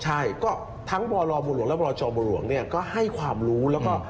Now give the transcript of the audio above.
ใช่ก็ทั้งบ่อลบุหรวงศ์และบ่อลจอบุหรวงศ์ก็ให้ความรู้